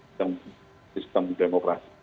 dalam sistem demokrasi